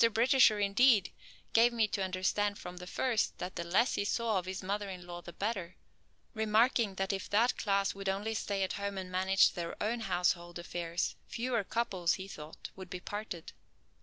Britisher, indeed, gave me to understand from the first that the less he saw of his mother in law the better, remarking that if that class would only stay at home and manage their own household affairs fewer couples, he thought, would be parted.